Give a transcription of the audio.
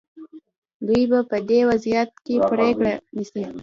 دوی به په دې وضعیت کې پرېکړه نیسي.